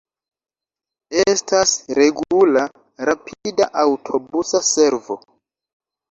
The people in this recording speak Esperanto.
Estas regula rapida aŭtobusa servo.